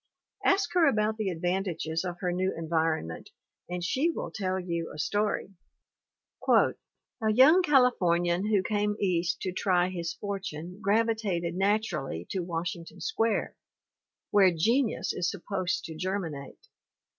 Ask her about the advantages of her new environment and she will tell you a story : "A young Californian who came East to try his fortune gravitated naturally to Washington Square where Genius is supposed to germinate.